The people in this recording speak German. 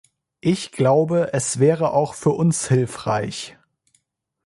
Ich glaube, es wäre auch für uns hilfreich.